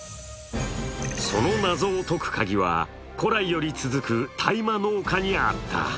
その謎を解くカギは古来より続く大麻農家にあった。